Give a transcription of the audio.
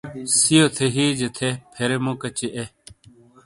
سیو تھی ہجیے تھے پھیرے مُوکچی اے۔